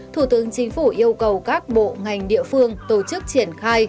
thủ tướng chính phủ yêu cầu các bộ ngành địa phương tổ chức triển khai